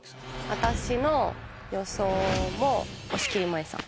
私の予想も押切もえさん。